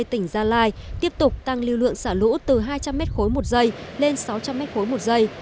tỉnh gia lai tiếp tục tăng lưu lượng xả lũ từ hai trăm linh m ba một giây lên sáu trăm linh m ba một giây